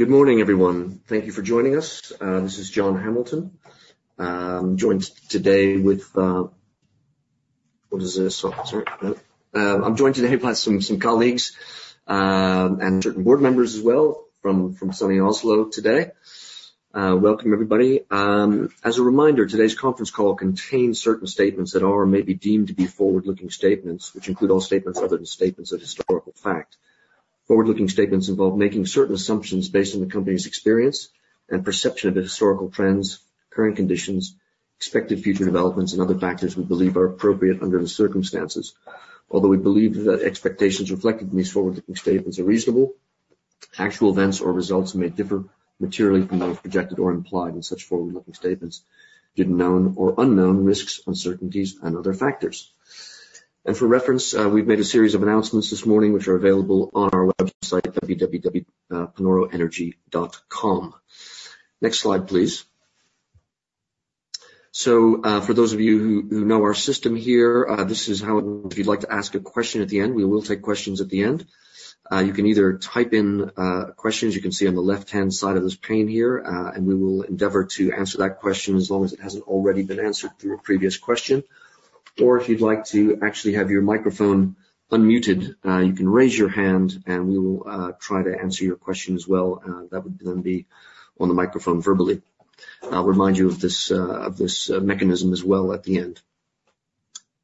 Good morning, everyone. Thank you for joining us. This is John Hamilton. I'm joined today by some colleagues and certain board members as well from sunny Oslo today. Welcome, everybody. As a reminder, today's conference call contains certain statements that are, or may be deemed to be forward-looking statements, which include all statements other than statements of historical fact. Forward-looking statements involve making certain assumptions based on the company's experience and perception of the historical trends, current conditions, expected future developments, and other factors we believe are appropriate under the circumstances. Although we believe that expectations reflected in these forward-looking statements are reasonable, actual events or results may differ materially from those projected or implied in such forward-looking statements, given known or unknown risks, uncertainties, and other factors. For reference, we've made a series of announcements this morning, which are available on our website at www.panoroenergy.com. Next slide, please. For those of you who know our system here, this is how, if you'd like to ask a question at the end, we will take questions at the end. You can either type in questions you can see on the left-hand side of this pane here, and we will endeavor to answer that question as long as it hasn't already been answered through a previous question. Or if you'd like to actually have your microphone unmuted, you can raise your hand, and we will try to answer your question as well. That would then be on the microphone verbally. I'll remind you of this mechanism as well at the end.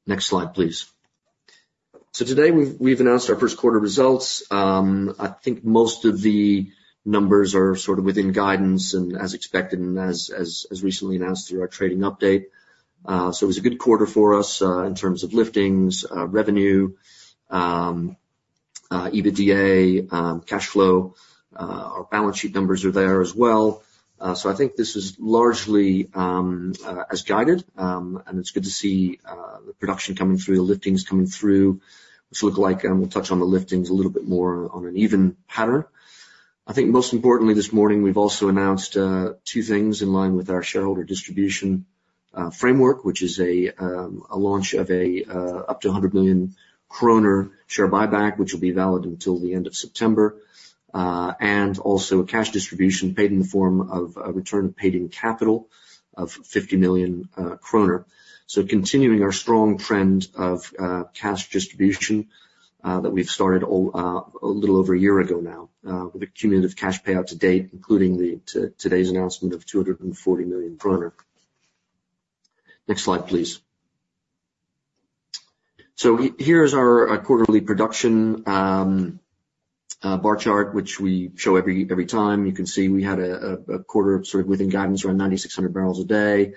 Next slide, please. Today, we've announced our first quarter results. I think most of the numbers are sort of within guidance and as expected, and as recently announced through our trading update. So it was a good quarter for us in terms of liftings, revenue, EBITDA, cash flow. Our balance sheet numbers are there as well. So I think this is largely as guided. And it's good to see the production coming through, the liftings coming through, which look like, and we'll touch on the liftings a little bit more, on an even pattern. I think most importantly, this morning, we've also announced two things in line with our shareholder distribution framework, which is a launch of a up to 100 million kroner share buyback, which will be valid until the end of September. And also, a cash distribution paid in the form of a return of paid-in capital of 50 million kroner. So continuing our strong trend of cash distribution that we've started all a little over a year ago now, with accumulated cash payout to date, including to today's announcement of 240 million kroner. Next slide, please. So here is our quarterly production bar chart, which we show every time. You can see we had a quarter sort of within guidance, around 9,600 barrels a day.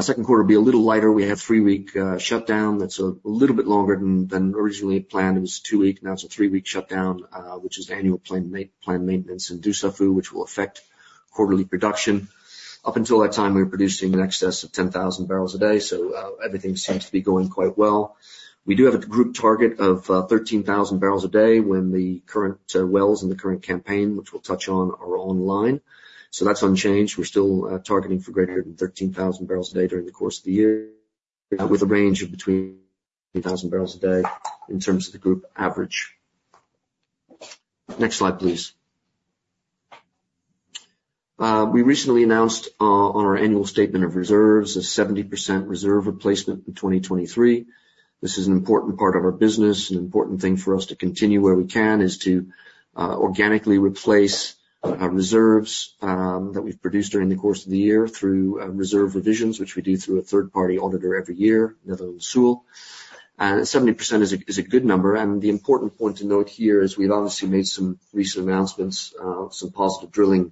Second quarter will be a little lighter. We have a three-week shutdown that's a little bit longer than originally planned. It was a two-week, now it's a three-week shutdown, which is annual planned maintenance in Dussafu, which will affect quarterly production. Up until that time, we were producing in excess of 10,000 barrels a day, so everything seems to be going quite well. We do have a group target of thirteen thousand barrels a day when the current wells in the current campaign, which we'll touch on, are online. So that's unchanged. We're still targeting for greater than 13,000 barrels a day during the course of the year, with a range of between 2,000 barrels a day in terms of the group average. Next slide, please. We recently announced on our annual statement of reserves a 70% reserve replacement in 2023. This is an important part of our business. An important thing for us to continue where we can is to organically replace our reserves that we've produced during the course of the year through reserve revisions, which we do through a third-party auditor every year, Netherland, Sewell. And 70% is a good number. And the important point to note here is we've obviously made some recent announcements, some positive drilling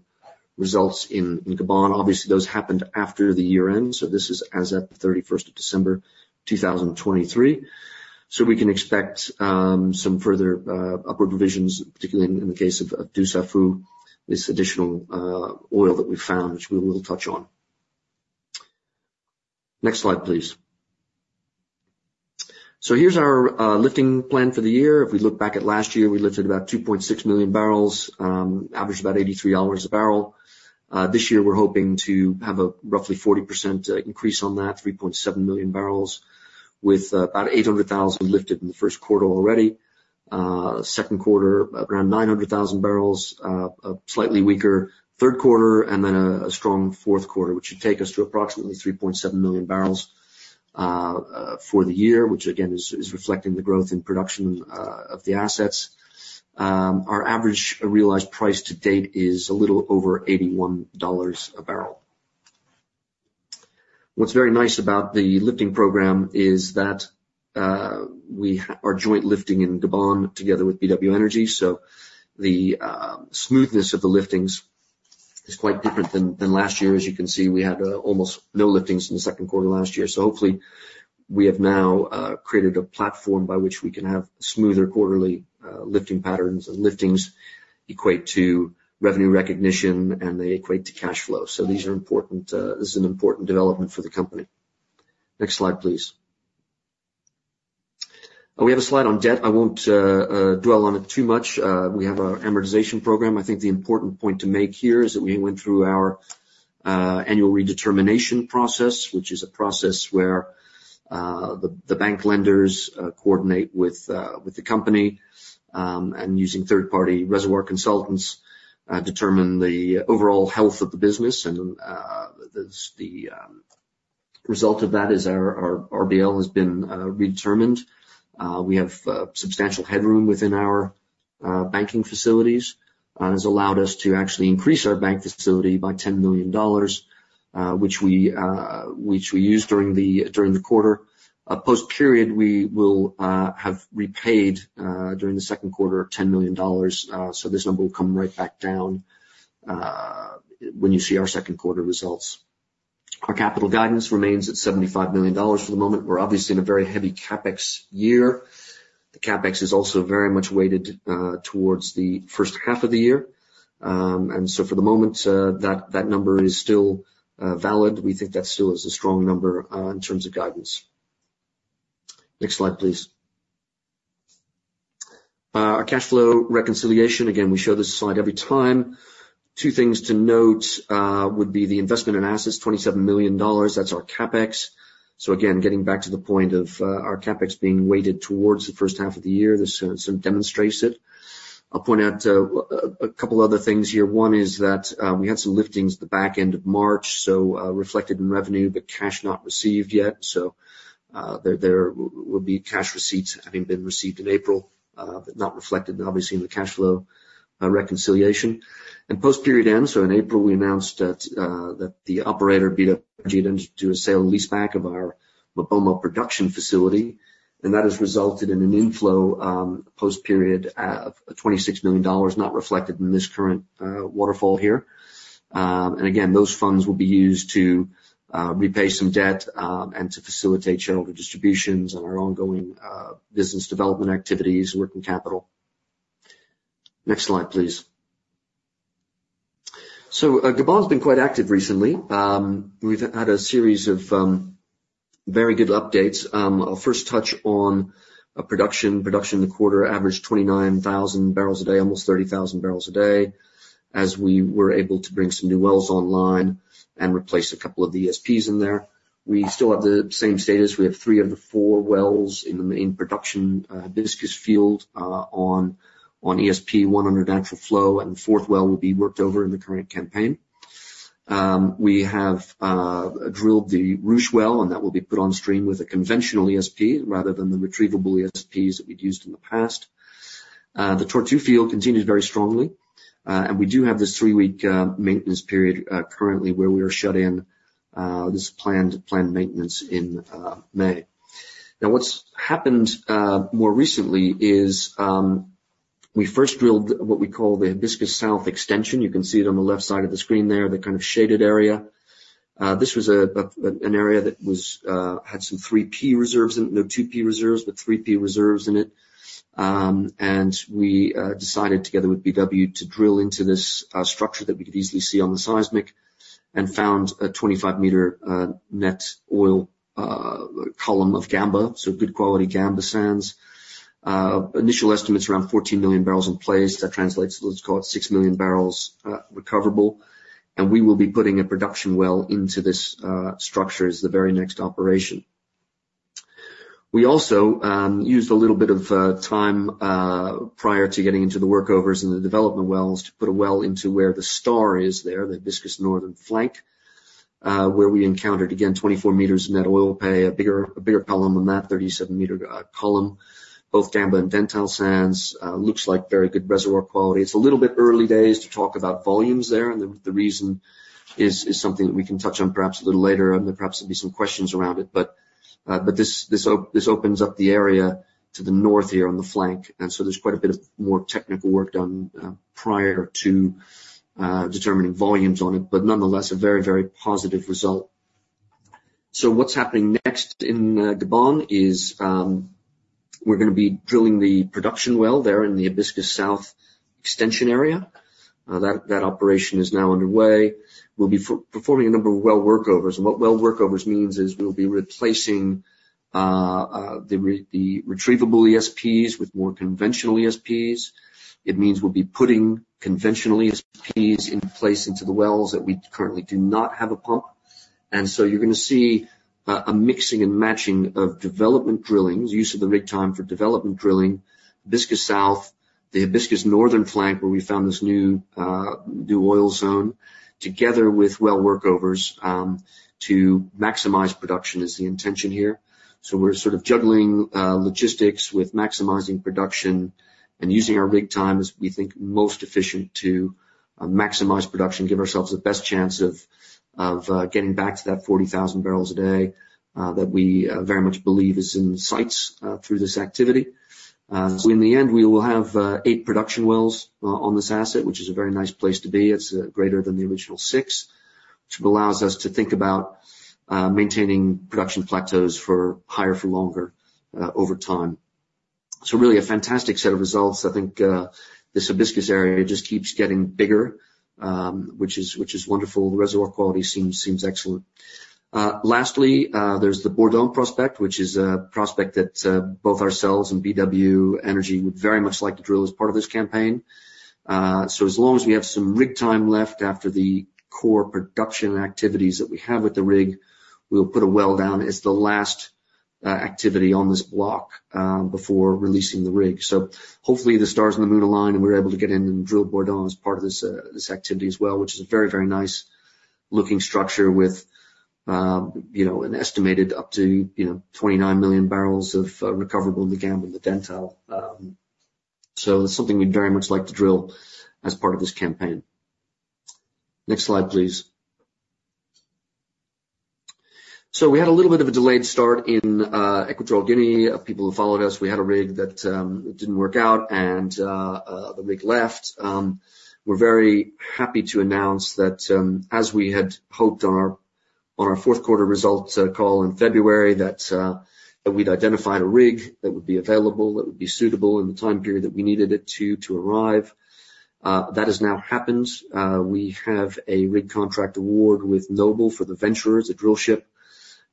results in Gabon. Obviously, those happened after the year end, so this is as at the thirty-first of December 2023. So we can expect some further upward provisions, particularly in the case of Dussafu, this additional oil that we've found, which we will touch on. Next slide, please. So here's our lifting plan for the year. If we look back at last year, we lifted about 2.6 million barrels, averaged about $83 a barrel. This year, we're hoping to have a roughly 40% increase on that, 3.7 million barrels, with about 800,000 lifted in the first quarter already. Second quarter, around 900,000 barrels, a slightly weaker third quarter, and then a strong fourth quarter, which should take us to approximately 3.7 million barrels for the year, which again is reflecting the growth in production of the assets. Our average realized price to date is a little over $81 a barrel. What's very nice about the lifting program is that we have our joint lifting in Gabon, together with BW Energy, so the smoothness of the liftings is quite different than last year. As you can see, we had almost no liftings in the second quarter last year. So hopefully, we have now created a platform by which we can have smoother quarterly lifting patterns, and liftings equate to revenue recognition, and they equate to cash flow. So these are important. This is an important development for the company. Next slide, please. We have a slide on debt. I won't dwell on it too much. We have our amortization program. I think the important point to make here is that we went through our-... Annual redetermination process, which is a process where the bank lenders coordinate with the company, and using third party reservoir consultants, determine the overall health of the business, and the result of that is our RBL has been redetermined. We have substantial headroom within our banking facilities, has allowed us to actually increase our bank facility by $10 million, which we used during the quarter. Post period, we will have repaid during the second quarter, $10 million, so this number will come right back down, when you see our second quarter results. Our capital guidance remains at $75 million for the moment. We're obviously in a very heavy CapEx year. The CapEx is also very much weighted towards the first half of the year. And so for the moment, that number is still valid. We think that still is a strong number in terms of guidance. Next slide, please. Our cash flow reconciliation, again, we show this slide every time. Two things to note would be the investment in assets, $27 million. That's our CapEx. So again, getting back to the point of our CapEx being weighted towards the first half of the year, this sort of demonstrates it. I'll point out a couple other things here. One is that we had some liftings at the back end of March, so reflected in revenue, but cash not received yet. So, there will be cash receipts having been received in April, but not reflected, obviously, in the cash flow reconciliation. And post-period end, so in April, we announced that the operator, BW, did do a sale and leaseback of our MaBoMo production facility, and that has resulted in an inflow, post-period, of $26 million not reflected in this current waterfall here. And again, those funds will be used to repay some debt, and to facilitate shareholder distributions and our ongoing business development activities, working capital. Next slide, please. So, Gabon has been quite active recently. We've had a series of very good updates. I'll first touch on a production. Production in the quarter averaged 29,000 barrels a day, almost 30,000 barrels a day, as we were able to bring some new wells online and replace a couple of the ESPs in there. We still have the same status. We have three of the four wells in the main production Hibiscus field on ESP, one under natural flow, and the fourth well will be worked over in the current campaign. We have drilled the Ruche well, and that will be put on stream with a conventional ESP rather than the retrievable ESPs that we've used in the past. The Tortue field continues very strongly, and we do have this 3-week maintenance period currently, where we are shut in. This is planned maintenance in May. Now, what's happened more recently is we first drilled what we call the Hibiscus South extension. You can see it on the left side of the screen there, the kind of shaded area. This was an area that had some 3P reserves in it—no, 2P reserves, but 3P reserves in it. And we decided together with BW to drill into this structure that we could easily see on the seismic and found a 25-meter net oil column of Gamba. So good quality Gamba sands. Initial estimates around 14 million barrels in place. That translates to, let's call it, 6 million barrels recoverable, and we will be putting a production well into this structure as the very next operation. We also used a little bit of time prior to getting into the workovers and the development wells to put a well into where the star is there, the Hibiscus Northern Flank, where we encountered, again, 24 meters of net oil pay, a bigger column on that 37-meter column, both Gamba and Dentale sands. Looks like very good reservoir quality. It's a little bit early days to talk about volumes there, and the reason is something that we can touch on perhaps a little later, and perhaps there'll be some questions around it. But this opens up the area to the north here on the flank, and so there's quite a bit of more technical work done prior to determining volumes on it, but nonetheless, a very, very positive result. So what's happening next in Gabon is we're gonna be drilling the production well there in the Hibiscus South extension area. That operation is now underway. We'll be performing a number of well workovers, and what well workovers means is we'll be replacing the retrievable ESPs with more conventional ESPs. It means we'll be putting conventional ESPs in place into the wells that we currently do not have a pump. And so you're gonna see a mixing and matching of development drillings, use of the rig time for development drilling, Hibiscus South, the Hibiscus Northern Flank, where we found this new new oil zone, together with well workovers to maximize production is the intention here. So we're sort of juggling, logistics with maximizing production and using our rig time as we think most efficient to, maximize production, give ourselves the best chance of getting back to that 40,000 barrels a day, that we very much believe is in sights, through this activity. So in the end, we will have, eight production wells, on this asset, which is a very nice place to be. It's, greater than the original six, which allows us to think about, maintaining production plateaus for higher, for longer, over time. So really, a fantastic set of results. I think, this Hibiscus area just keeps getting bigger, which is, which is wonderful. The reservoir quality seems, seems excellent. Lastly, there's the Bourdon prospect, which is a prospect that both ourselves and BW Energy would very much like to drill as part of this campaign. So as long as we have some rig time left after the core production activities that we have with the rig, we'll put a well down as the last activity on this block before releasing the rig. So hopefully, the stars and the moon align, and we're able to get in and drill Bourdon as part of this activity as well, which is a very, very nice looking structure with, you know, an estimated up to, you know, 29 million barrels of recoverable in the Gamba and the Dentale. So that's something we'd very much like to drill as part of this campaign. Next slide, please. So we had a little bit of a delayed start in Equatorial Guinea. People who followed us, we had a rig that it didn't work out, and the rig left. We're very happy to announce that, as we had hoped on our fourth quarter results call in February, that we'd identified a rig that would be available, that would be suitable in the time period that we needed it to arrive. That has now happened. We have a rig contract award with Noble for the Venturer, the drillship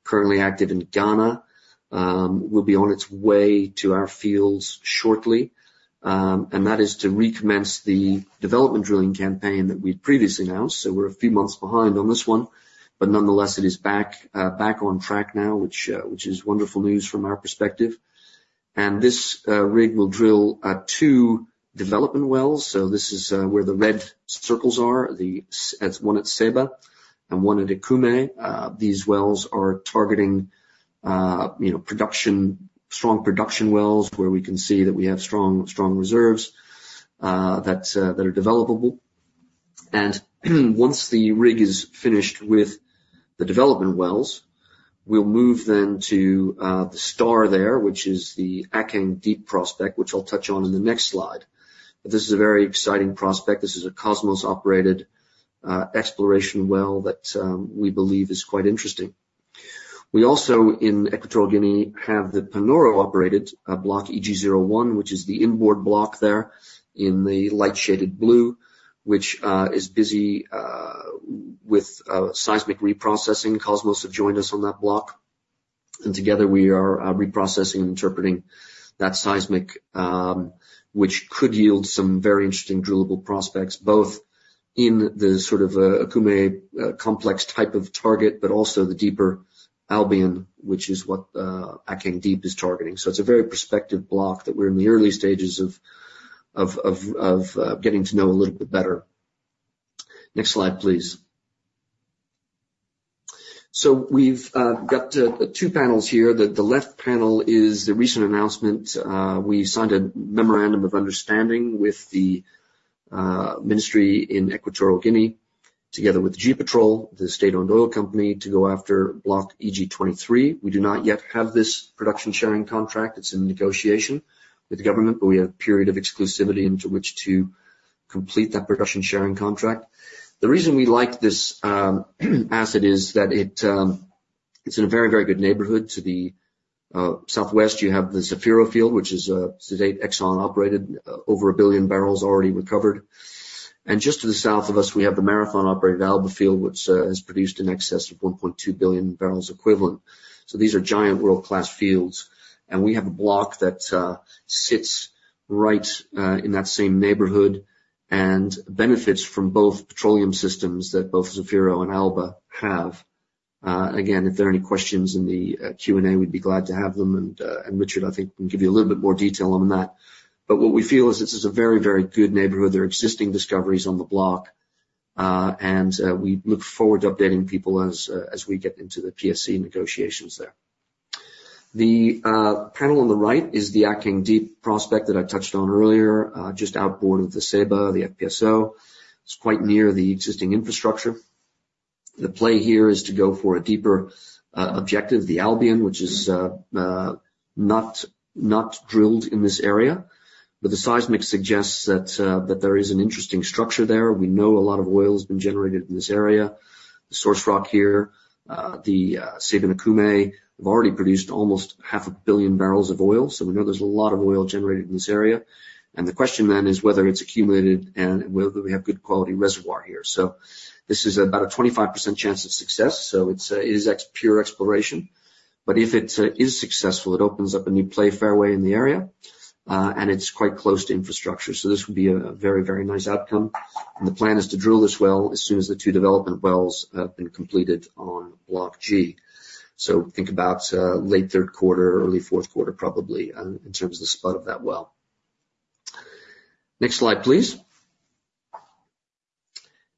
currently active in Ghana, will be on its way to our fields shortly. And that is to recommence the development drilling campaign that we'd previously announced. So we're a few months behind on this one, but nonetheless, it is back, back on track now, which, which is wonderful news from our perspective. And this, rig will drill, two development wells. So this is, where the red circles are. It's one at Ceiba and one at Okume. These wells are targeting, you know, production, strong production wells, where we can see that we have strong, strong reserves, that, that are developable. And once the rig is finished with the development wells, we'll move then to, the star there, which is the Akeng Deep prospect, which I'll touch on in the next slide. But this is a very exciting prospect. This is a Kosmos-operated, exploration well that, we believe is quite interesting. We also, in Equatorial Guinea, have the Panoro-operated Block EG-01, which is the inboard block there in the light-shaded blue, which is busy with seismic reprocessing. Kosmos have joined us on that block, and together, we are reprocessing and interpreting that seismic, which could yield some very interesting drillable prospects, both in the sort of Okume complex type of target, but also the deeper Albian, which is what the Akeng Deep is targeting. So it's a very prospective block that we're in the early stages of getting to know a little bit better. Next slide, please. So we've got two panels here. The left panel is the recent announcement. We signed a memorandum of understanding with the ministry in Equatorial Guinea, together with GEPetrol, the state-owned oil company, to go after Block EG-23. We do not yet have this production sharing contract. It's in negotiation with the government, but we have a period of exclusivity into which to complete that production sharing contract. The reason we like this asset is that it's in a very, very good neighborhood. To the southwest, you have the Zafiro Field, which is, to date, Exxon-operated, over 1 billion barrels already recovered. Just to the south of us, we have the Marathon-operated Alba Field, which has produced in excess of 1.2 billion barrels equivalent. So these are giant world-class fields, and we have a block that sits right in that same neighborhood and benefits from both petroleum systems that both Zafiro and Alba have. Again, if there are any questions in the Q&A, we'd be glad to have them, and and Richard, I think, can give you a little bit more detail on that. But what we feel is this is a very, very good neighborhood. There are existing discoveries on the block, and we look forward to updating people as as we get into the PSC negotiations there. The panel on the right is the Akeng Deep prospect that I touched on earlier, just outboard of the Ceiba, the FPSO. It's quite near the existing infrastructure. The play here is to go for a deeper objective, the Albian, which is not drilled in this area, but the seismic suggests that there is an interesting structure there. We know a lot of oil has been generated in this area. The source rock here, the Ceiba-Okume, have already produced almost 500 million barrels of oil, so we know there's a lot of oil generated in this area. And the question then is whether it's accumulated and whether we have good quality reservoir here. So this is about a 25% chance of success, so it is pure exploration, but if it is successful, it opens up a new play fairway in the area, and it's quite close to infrastructure. So this would be a very, very nice outcome. The plan is to drill this well as soon as the two development wells have been completed on Block G. Think about late third quarter, early fourth quarter, probably, in terms of the spud of that well. Next slide, please.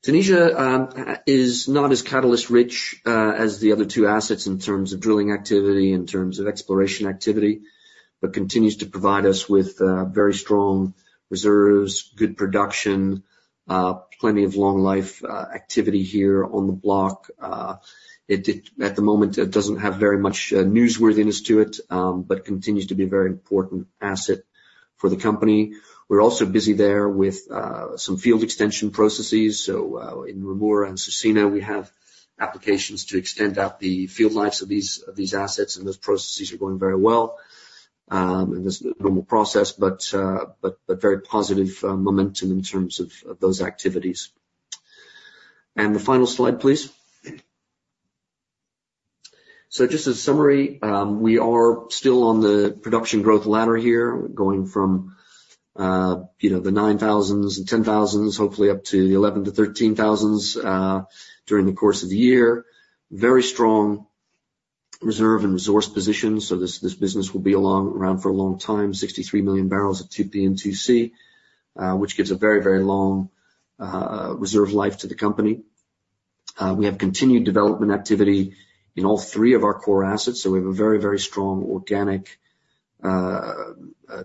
Tunisia is not as catalyst rich as the other two assets in terms of drilling activity, in terms of exploration activity, but continues to provide us with very strong reserves, good production, plenty of long life activity here on the block. At the moment, it doesn't have very much newsworthiness to it, but continues to be a very important asset for the company. We're also busy there with some field extension processes. So, in Rhemoura and Cercina, we have applications to extend out the field lives of these, of these assets, and those processes are going very well. And this is a normal process, but, but very positive momentum in terms of, of those activities. And the final slide, please. So just as a summary, we are still on the production growth ladder here, going from, you know, the 9,000s and 10,000s, hopefully up to 11,000-13,000, during the course of the year. Very strong reserve and resource position, so this, this business will be around for a long time, 63 million barrels of 2P and 2C, which gives a very, very long, reserve life to the company. We have continued development activity in all three of our core assets, so we have a very, very strong organic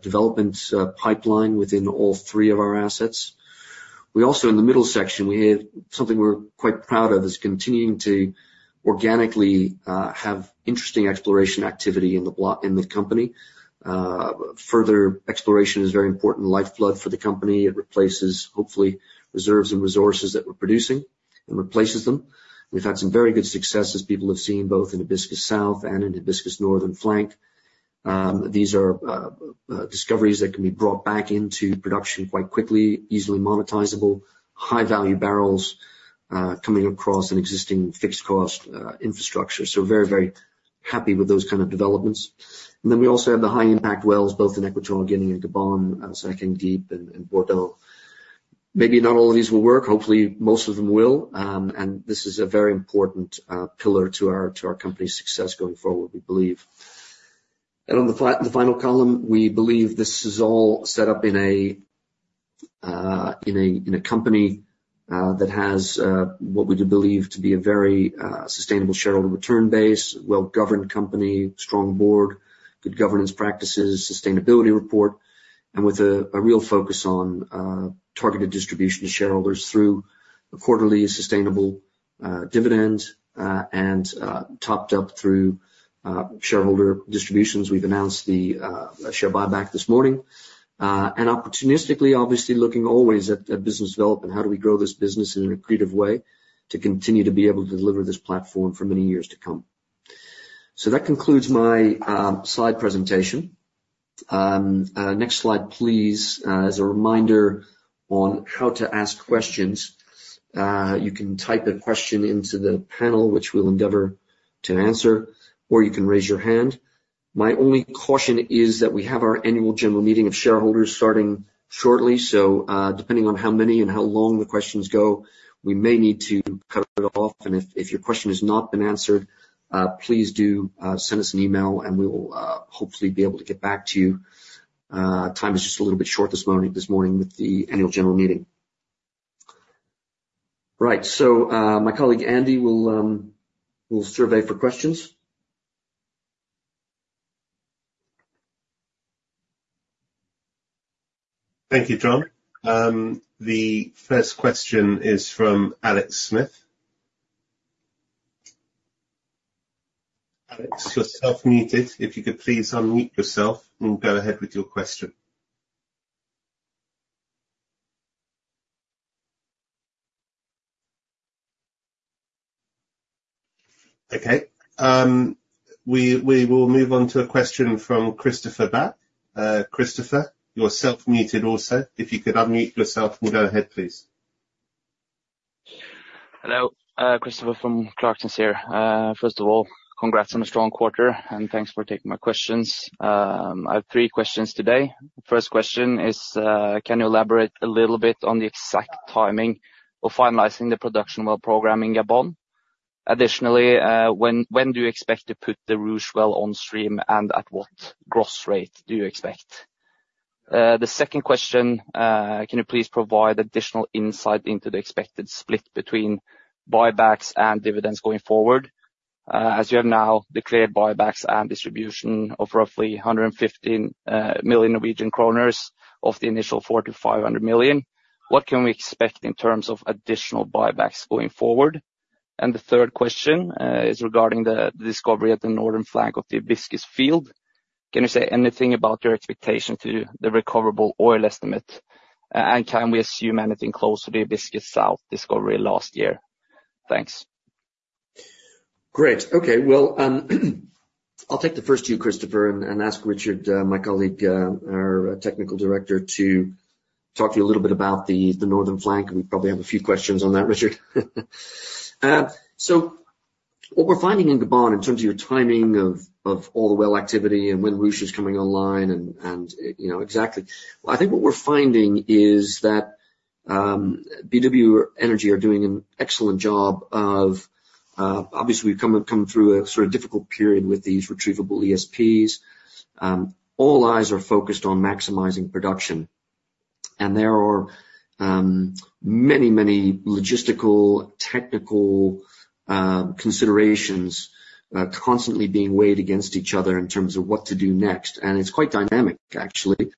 development pipeline within all three of our assets. We also, in the middle section, we have something we're quite proud of, is continuing to organically have interesting exploration activity in the company. Further exploration is very important lifeblood for the company. It replaces, hopefully, reserves and resources that we're producing, and replaces them. We've had some very good successes, people have seen both in Hibiscus South and in Hibiscus Northern Flank. These are discoveries that can be brought back into production quite quickly, easily monetizable, high value barrels coming across an existing fixed cost infrastructure. So very, very happy with those kind of developments. And then we also have the high impact wells, both in Equatorial Guinea and Gabon, Akeng Deep and Bourdon. Maybe not all of these will work. Hopefully, most of them will. And this is a very important pillar to our company's success going forward, we believe. And on the final column, we believe this is all set up in a company that has what we believe to be a very sustainable shareholder return base, well-governed company, strong board, good governance practices, sustainability report, and with a real focus on targeted distribution to shareholders through a quarterly sustainable dividend and topped up through shareholder distributions. We've announced the share buyback this morning, and opportunistically, obviously, looking always at business development, how do we grow this business in an accretive way to continue to be able to deliver this platform for many years to come? So that concludes my slide presentation. Next slide, please. As a reminder on how to ask questions, you can type a question into the panel, which we'll endeavor to answer, or you can raise your hand. My only caution is that we have our annual general meeting of shareholders starting shortly, so, depending on how many and how long the questions go, we may need to cut it off, and if your question has not been answered, please do send us an email, and we will hopefully be able to get back to you. Time is just a little bit short this morning, this morning with the annual general meeting. Right. So, my colleague, Andy, will survey for questions. Thank you, John. The first question is from Alex Smith. Alex, you're self-muted. If you could please unmute yourself and go ahead with your question. Okay, we will move on to a question from Christoffer Barth. Christoffer, you're self-muted also. If you could unmute yourself, we'll go ahead, please. Hello, Christoffer from Clarksons here. First of all, congrats on a strong quarter, and thanks for taking my questions. I have three questions today. First question is, can you elaborate a little bit on the exact timing of finalizing the production well program in Gabon? Additionally, when, when do you expect to put the Ruche well on stream, and at what gross rate do you expect? The second question, can you please provide additional insight into the expected split between buybacks and dividends going forward? As you have now declared buybacks and distribution of roughly 115 million Norwegian kroner of the initial 400 million-500 million, what can we expect in terms of additional buybacks going forward? And the third question is regarding the discovery of the northern flank of the Hibiscus field. Can you say anything about your expectation to the recoverable oil estimate? And can we assume anything close to the Hibiscus South discovery last year? Thanks. Great. Okay, well, I'll take the first two, Christoffer, and ask Richard, my colleague, our technical director, to talk to you a little bit about the northern flank. We probably have a few questions on that, Richard. So what we're finding in Gabon, in terms of your timing of all the well activity and when Ruche is coming online, and you know, exactly. I think what we're finding is that, BW Energy are doing an excellent job of—obviously we've come through a sort of difficult period with these retrievable ESPs. All eyes are focused on maximizing production, and there are many, many logistical, technical considerations constantly being weighed against each other in terms of what to do next, and it's quite dynamic, actually.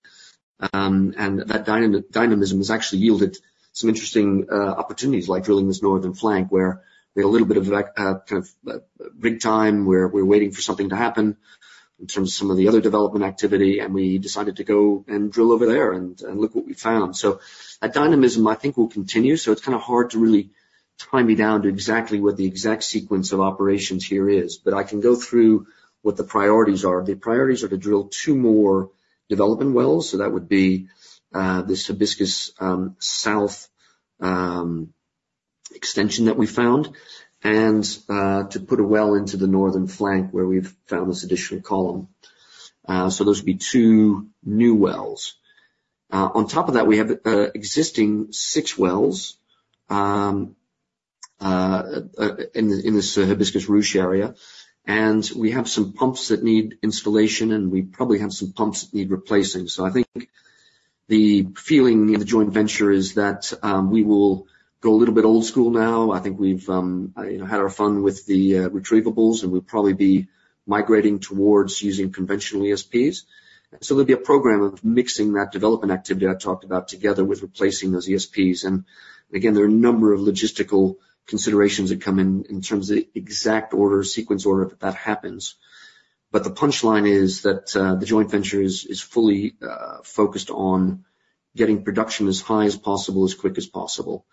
And that dynamism has actually yielded some interesting opportunities, like drilling this northern flank, where we have a little bit of downtime, where we're waiting for something to happen in terms of some of the other development activity, and we decided to go and drill over there, and look what we found. So that dynamism, I think, will continue, so it's kind of hard to really tie me down to exactly what the exact sequence of operations here is, but I can go through what the priorities are. The priorities are to drill two more development wells, so that would be this Hibiscus South extension that we found, and to put a well into the northern flank, where we've found this additional column. So those would be two new wells. On top of that, we have existing six wells in this Hibiscus Ruche area, and we have some pumps that need installation, and we probably have some pumps that need replacing. So I think the feeling in the joint venture is that we will go a little bit old school now. I think we've you know, had our fun with the retrievables, and we'll probably be migrating towards using conventional ESPs. So there'll be a program of mixing that development activity I talked about together with replacing those ESPs. And again, there are a number of logistical considerations that come in in terms of the exact order, sequence order that happens. But the punchline is that the joint venture is fully focused on getting production as high as possible, as quick as possible.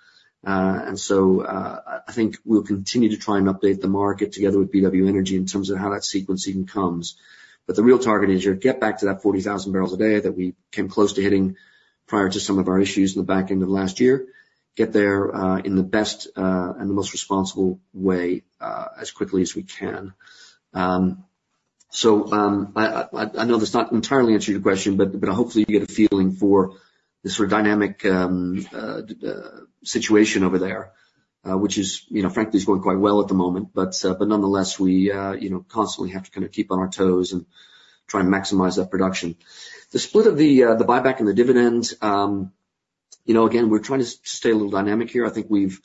And so, I think we'll continue to try and update the market together with BW Energy in terms of how that sequencing comes. But the real target is to get back to that 40,000 barrels a day that we came close to hitting prior to some of our issues in the back end of last year. Get there, in the best, and the most responsible way, as quickly as we can. So, I know that's not entirely answered your question, but hopefully you get a feeling for the sort of dynamic, situation over there, which is, you know, frankly, is going quite well at the moment. But nonetheless, we, you know, constantly have to kind of keep on our toes and try and maximize that production. The split of the buyback and the dividends, you know, again, we're trying to stay a little dynamic here. I think we've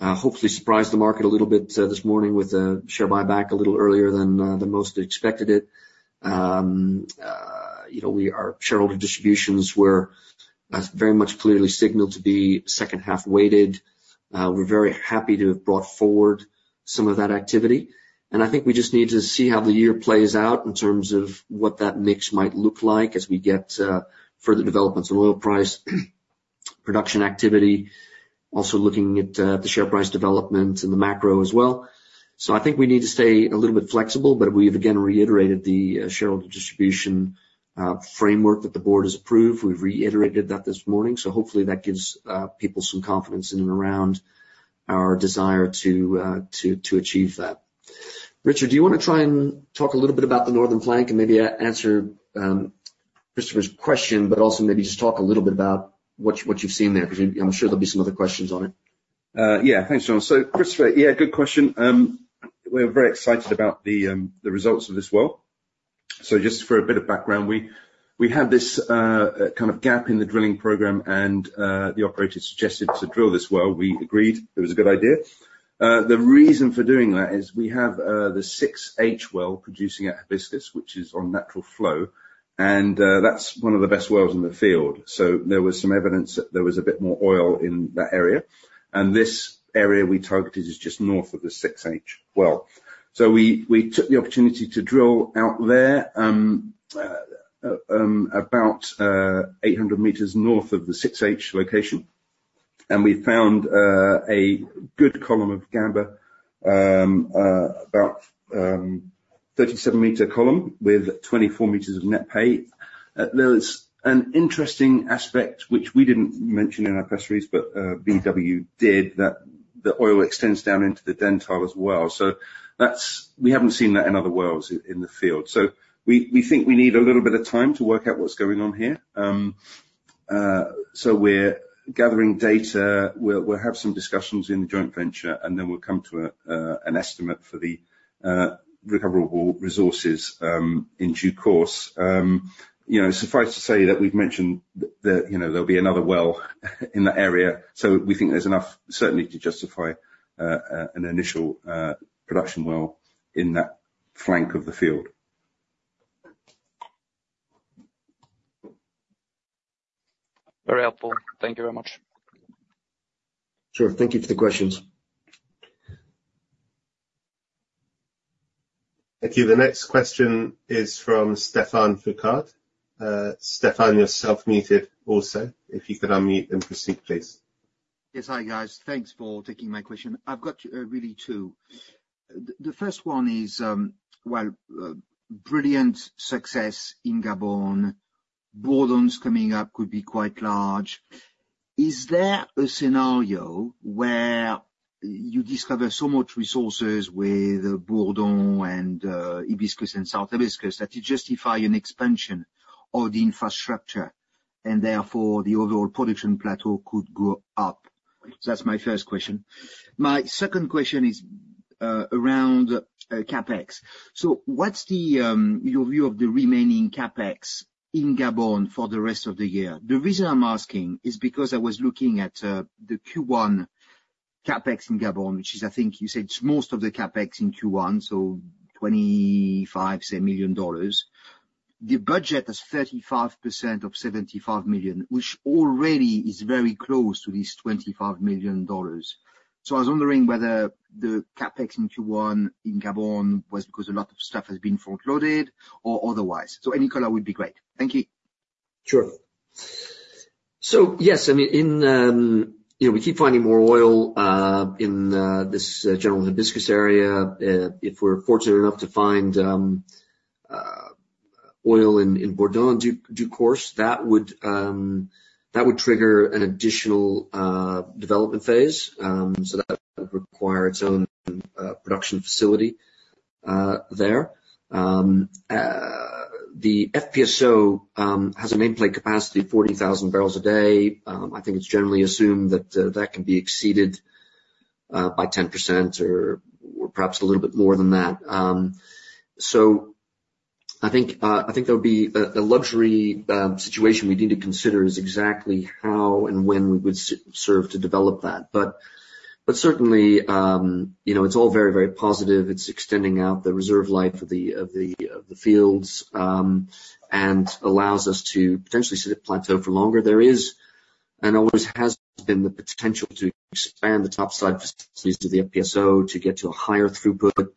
hopefully surprised the market a little bit this morning with a share buyback a little earlier than most expected it. You know, our shareholder distributions were very much clearly signaled to be second half weighted. We're very happy to have brought forward some of that activity, and I think we just need to see how the year plays out in terms of what that mix might look like as we get further developments on oil price, production activity. Also looking at the share price development and the macro as well. So I think we need to stay a little bit flexible, but we've again reiterated the shareholder distribution framework that the board has approved. We've reiterated that this morning, so hopefully that gives people some confidence in and around our desire to achieve that. Richard, do you want to try and talk a little bit about the northern flank and maybe answer Christoffer's question, but also maybe just talk a little bit about what you, what you've seen there? Because I'm sure there'll be some other questions on it. Yeah. Thanks, John. So Christoffer, yeah, good question. We're very excited about the results of this well. So just for a bit of background, we had this kind of gap in the drilling program, and the operator suggested to drill this well. We agreed. It was a good idea. The reason for doing that is we have the 6H well producing at Hibiscus, which is on natural flow, and that's one of the best wells in the field. So there was some evidence that there was a bit more oil in that area, and this area we targeted is just north of the 6H well. So we took the opportunity to drill out there, about 800 meters north of the 6H location, and we found a good column of Gamba. About thirty-seven meter column with twenty-four meters of net pay. There is an interesting aspect, which we didn't mention in our press release, but BW did, that the oil extends down into the Dentale as well. So that's. We haven't seen that in other wells in the field. So we think we need a little bit of time to work out what's going on here. So we're gathering data. We'll have some discussions in the joint venture, and then we'll come to an estimate for the recoverable resources in due course. You know, suffice to say that we've mentioned that, you know, there'll be another well in that area. So we think there's enough, certainly, to justify an initial production well in that flank of the field. Very helpful. Thank you very much. Sure. Thank you for the questions. Thank you. The next question is from Stéphane Foucaud. Stéphane, you're self-muted also. If you could unmute and proceed, please. Yes. Hi, guys. Thanks for taking my question. I've got really two. The first one is, well, brilliant success in Gabon. Bourdon's coming up, could be quite large. Is there a scenario where you discover so much resources with Bourdon and Hibiscus and South Hibiscus, that you justify an expansion of the infrastructure, and therefore the overall production plateau could go up? That's my first question. My second question is around CapEx. So what's your view of the remaining CapEx in Gabon for the rest of the year? The reason I'm asking is because I was looking at the Q1 CapEx in Gabon, which is, I think you said it's most of the CapEx in Q1, so $25 million, say. The budget is 35% of $75 million, which already is very close to this $25 million. I was wondering whether the CapEx in Q1 in Gabon was because a lot of stuff has been front-loaded or otherwise? Any color would be great. Thank you.... Sure. So, yes, I mean, in, you know, we keep finding more oil, in this general Hibiscus area. If we're fortunate enough to find oil in Bourdon in due course, that would trigger an additional development phase. So that would require its own production facility there. The FPSO has a nameplate capacity of 40,000 barrels a day. I think it's generally assumed that that can be exceeded by 10% or perhaps a little bit more than that. So I think there would be a luxury situation we need to consider is exactly how and when we would serve to develop that. But certainly, you know, it's all very, very positive. It's extending out the reserve life of the fields and allows us to potentially sit at plateau for longer. There is, and always has been, the potential to expand the top side facilities to the FPSO to get to a higher throughput.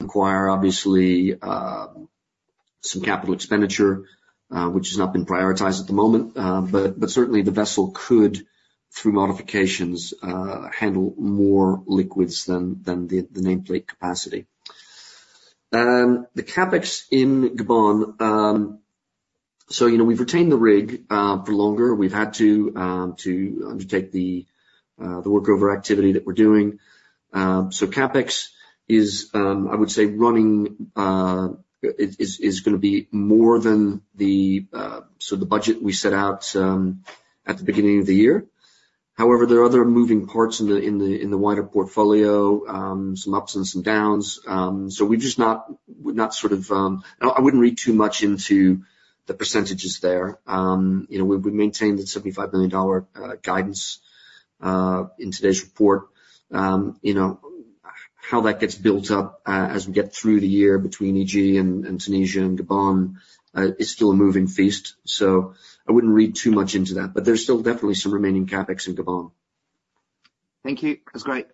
Require, obviously, some capital expenditure, which has not been prioritized at the moment. But certainly the vessel could, through modifications, handle more liquids than the nameplate capacity. The CapEx in Gabon, so, you know, we've retained the rig for longer. We've had to undertake the workover activity that we're doing. So CapEx is, I would say, running is gonna be more than the budget we set out at the beginning of the year. However, there are other moving parts in the wider portfolio, some ups and some downs. So we're just not, not sort of... I wouldn't read too much into the percentages there. You know, we maintained the $75 million guidance in today's report. You know, how that gets built up as we get through the year between Egypt and Tunisia and Gabon is still a moving feast. So I wouldn't read too much into that, but there's still definitely some remaining CapEx in Gabon. Thank you. That's great.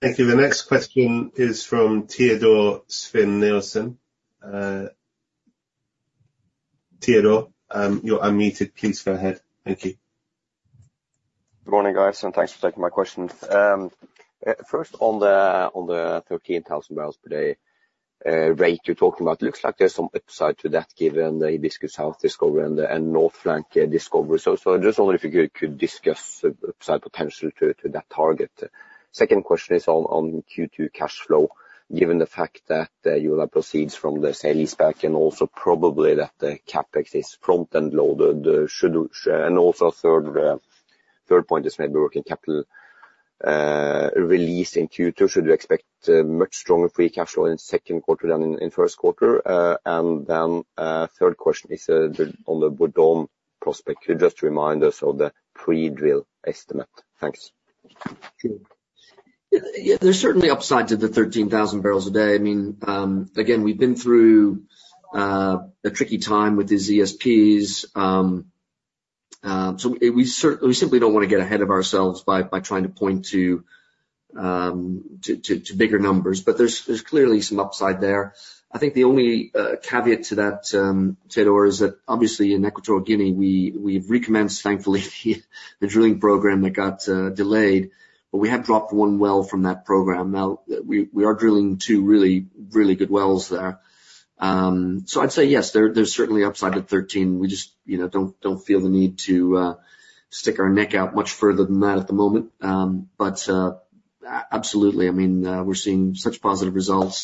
Thank you. The next question is from Teodor Sveen-Nilsen. Teodor, you're unmuted. Please go ahead. Thank you. Good morning, guys, and thanks for taking my questions. First on the 13,000 barrels per day rate you're talking about, it looks like there's some upside to that, given the Hibiscus South discovery and North Flank discovery. So just wondering if you could discuss the upside potential to that target? Second question is on Q2 cash flow, given the fact that you will have proceeds from the sale leaseback and also probably that the CapEx is front and loaded, and also third point is maybe working capital release in Q2. Should we expect much stronger free cash flow in second quarter than in first quarter? And then third question is on the Bourdon prospect. Could you just remind us of the pre-drill estimate? Thanks. Yeah, there's certainly upside to the 13,000 barrels a day. I mean, again, we've been through a tricky time with these ESPs. So we simply don't want to get ahead of ourselves by trying to point to bigger numbers. But there's clearly some upside there. I think the only caveat to that, Teodor, is that obviously in Equatorial Guinea, we've recommenced, thankfully, the drilling program that got delayed, but we have dropped one well from that program. Now, we are drilling two really, really good wells there. So I'd say yes, there's certainly upside to 13. We just, you know, don't feel the need to stick our neck out much further than that at the moment. But absolutely, I mean, we're seeing such positive results.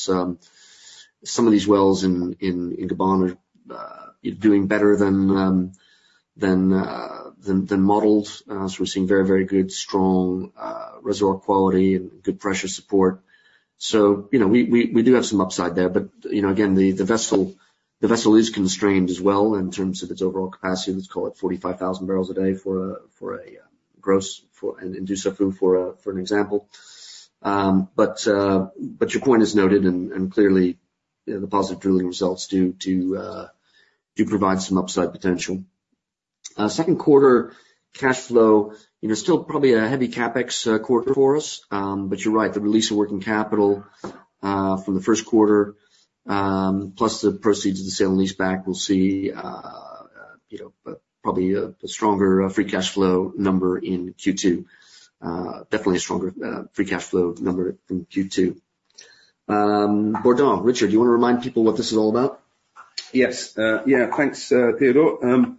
Some of these wells in Gabon are doing better than modeled. So we're seeing very, very good, strong reservoir quality and good pressure support. So, you know, we do have some upside there, but, you know, again, the vessel is constrained as well in terms of its overall capacity. Let's call it 45,000 barrels a day for a gross, for an example. But your point is noted and clearly, the positive drilling results do provide some upside potential. Second quarter cashflow, you know, still probably a heavy CapEx quarter for us. But you're right, the release of working capital from the first quarter, plus the proceeds of the sale and leaseback, we'll see, you know, probably a stronger free cash flow number in Q2. Definitely a stronger free cash flow number in Q2. Bourdon. Richard, do you want to remind people what this is all about? Yes. Yeah, thanks, Teodor.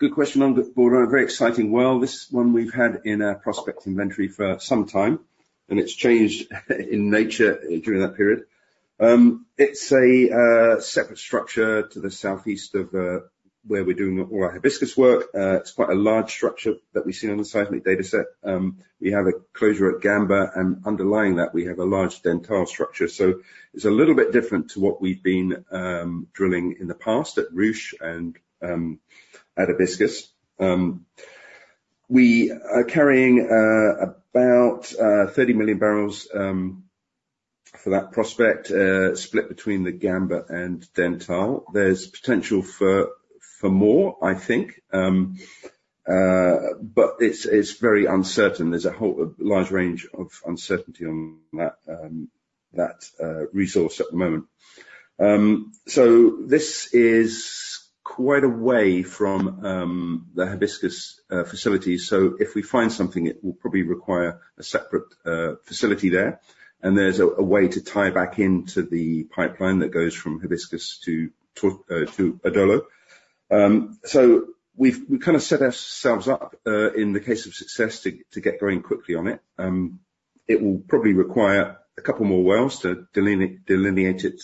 Good question on Bourdon. A very exciting well. This is one we've had in our prospect inventory for some time, and it's changed in nature during that period. It's a separate structure to the southeast of where we're doing all our Hibiscus work. It's quite a large structure that we've seen on the seismic data set. We have a closure at Gamba, and underlying that, we have a large Dentale structure. So it's a little bit different to what we've been drilling in the past at Ruche and at Hibiscus. We are carrying about 30 million barrels for that prospect, split between the Gamba and Dentale. There's potential for more, I think. But it's very uncertain. There's a whole, a large range of uncertainty on that resource at the moment. So this is quite a way from the Hibiscus facility. So if we find something, it will probably require a separate facility there. And there's a way to tie back into the pipeline that goes from Hibiscus to Adolo. So we've kind of set ourselves up, in the case of success, to get going quickly on it. It will probably require a couple more wells to delineate it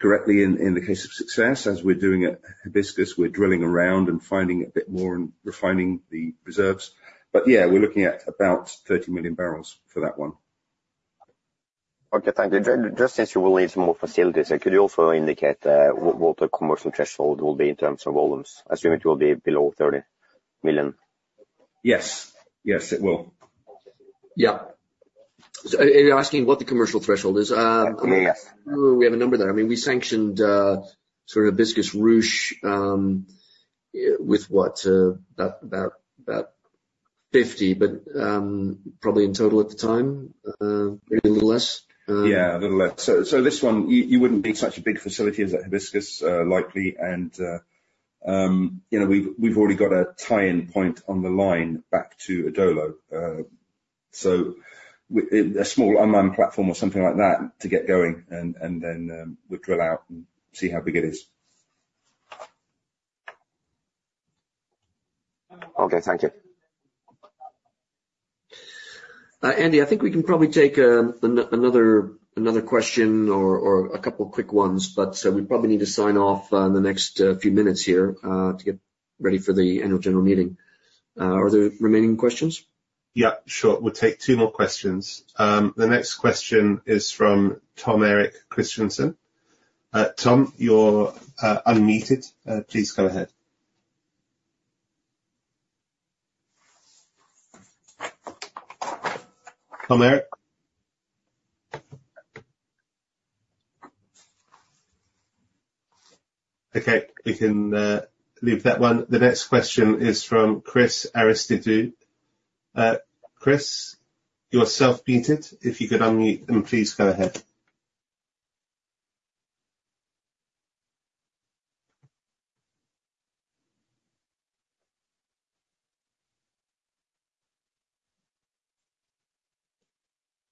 correctly in the case of success, as we're doing at Hibiscus. We're drilling around and finding a bit more and refining the reserves. But yeah, we're looking at about 30 million barrels for that one. Okay, thank you. Just since you will need some more facilities, could you also indicate what the commercial threshold will be in terms of volumes? Assuming it will be below 30 million. Yes. Yes, it will. Yeah. So, are you asking what the commercial threshold is? I mean, yes. We have a number there. I mean, we sanctioned, sort of Hibiscus Ruche, with what? About, about $50, but, probably in total at the time, maybe a little less. Yeah, a little less. So this one, you wouldn't need such a big facility as that Hibiscus, likely. And, you know, we've already got a tie-in point on the line back to Adolo. So with a small unmanned platform or something like that to get going, and then we'll drill out and see how big it is. Okay, thank you. Andy, I think we can probably take another question or a couple quick ones, but we probably need to sign off in the next few minutes here to get ready for the annual general meeting. Are there remaining questions? Yeah, sure. We'll take two more questions. The next question is from Tom Erik Kristiansen. Tom, you're unmuted. Please go ahead. Tom Erik? Okay, we can leave that one. The next question is from Chris Aristidou. Chris, you're self-muted. If you could unmute and please go ahead.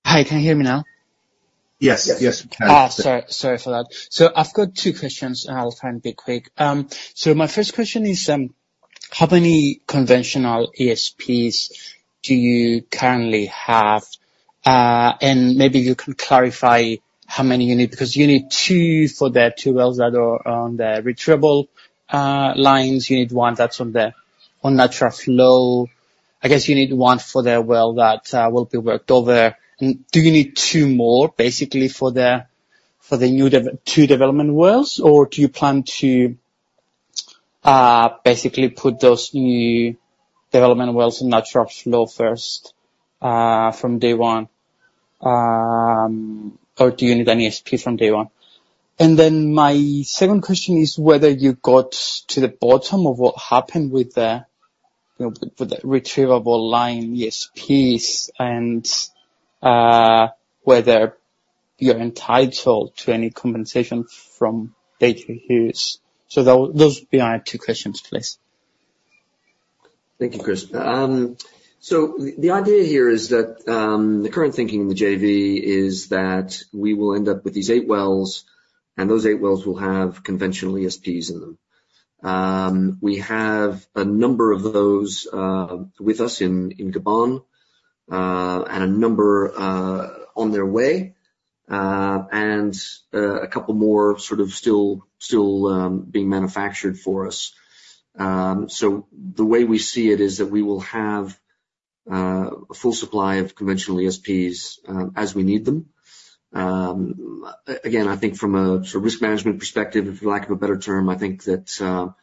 Hi, can you hear me now? Yes, we can. Ah, sorry. Sorry for that. So I've got two questions, and I'll try and be quick. So my first question is, how many conventional ESPs do you currently have? And maybe you can clarify how many you need, because you need two for the two wells that are on the retrievable lines. You need one that's on natural flow. I guess you need one for the well that will be worked over. And do you need two more, basically, for the new two development wells? Or do you plan to basically put those new development wells on natural flow first from day one? Or do you need any ESP from day one? My second question is whether you got to the bottom of what happened with the, you know, with the retrievable line, ESPs, and whether you're entitled to any compensation from Baker Hughes? Those would be my two questions, please. Thank you, Chris. So the idea here is that the current thinking in the JV is that we will end up with these eight wells, and those eight wells will have conventional ESPs in them. We have a number of those with us in Gabon, and a number on their way, and a couple more sort of still being manufactured for us. So the way we see it is that we will have full supply of conventional ESPs as we need them. Again, I think from a risk management perspective, for lack of a better term, I think that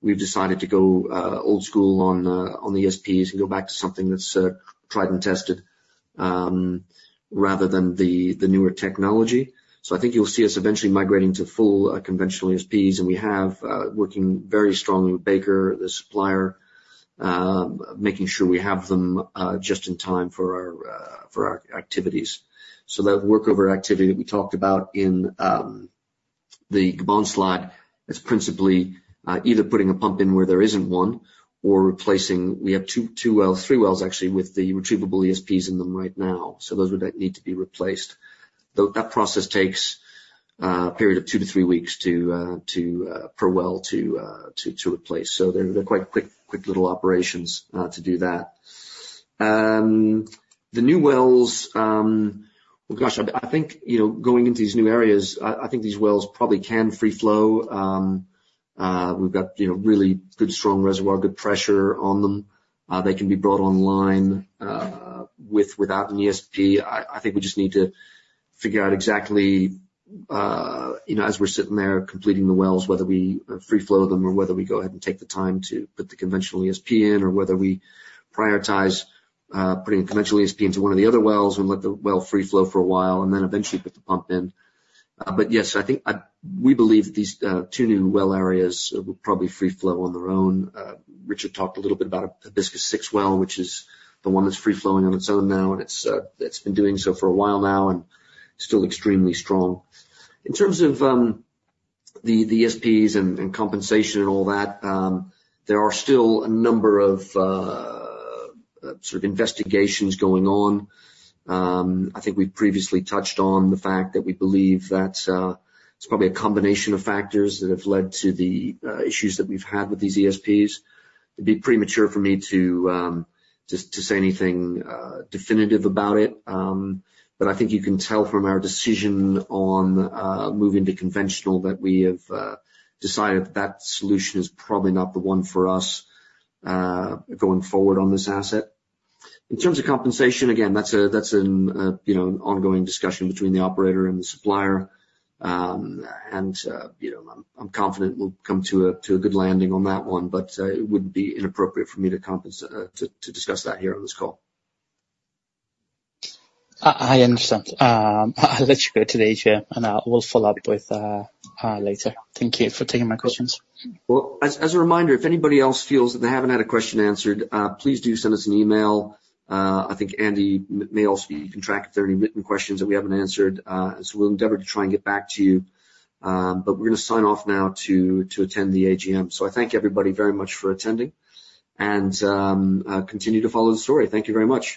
we've decided to go old school on the ESPs and go back to something that's tried and tested, rather than the newer technology. So I think you'll see us eventually migrating to full, conventional ESPs, and we have working very strongly with Baker, the supplier, making sure we have them just in time for our activities. So that workover activity that we talked about in the Gabon slide is principally either putting a pump in where there isn't one, or replacing. We have 2, 2 wells, 3 wells, actually, with the retrievable ESPs in them right now. So those would need to be replaced. Though, that process takes a period of 2-3 weeks per well to replace. So they're quite quick little operations to do that. The new wells, well, gosh, I think, you know, going into these new areas, I think these wells probably can free flow. We've got, you know, really good, strong reservoir, good pressure on them. They can be brought online without an ESP. I think we just need to figure out exactly, you know, as we're sitting there completing the wells, whether we free flow them or whether we go ahead and take the time to put the conventional ESP in, or whether we prioritize putting a conventional ESP into one of the other wells and let the well free flow for a while, and then eventually put the pump in. But yes, I think we believe that these two new well areas will probably free flow on their own. Richard talked a little bit about the Hibiscus 6 well, which is the one that's free flowing on its own now, and it's, it's been doing so for a while now and still extremely strong. In terms of, the, the ESPs and, and compensation and all that, there are still a number of, sort of investigations going on. I think we've previously touched on the fact that we believe that, it's probably a combination of factors that have led to the, issues that we've had with these ESPs. It'd be premature for me to, to, to say anything, definitive about it. But I think you can tell from our decision on, moving to conventional, that we have, decided that that solution is probably not the one for us, going forward on this asset. In terms of compensation, again, that's an ongoing discussion between the operator and the supplier. You know, I'm confident we'll come to a good landing on that one, but it would be inappropriate for me to discuss that here on this call. I understand. I'll let you go to the AGM, and I will follow up with later. Thank you for taking my questions. Well, as a reminder, if anybody else feels that they haven't had a question answered, please do send us an email. I think Andy may also be contracted if there are any written questions that we haven't answered, so we'll endeavor to try and get back to you. But we're gonna sign off now to attend the AGM. So I thank everybody very much for attending, and continue to follow the story. Thank you very much.